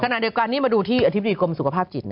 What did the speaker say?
ขณะเดียวกันนี้มาดูที่อธิบดีกรมสุขภาพจิต